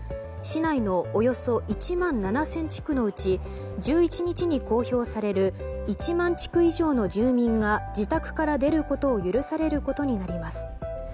市内のおよそ１万７０００地区のうち１１日に公表される１万地区以上の住人が自宅から出ることを許されることになります。